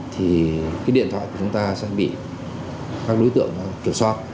thì cái điện thoại của chúng ta sẽ bị các đối tượng kiểm soát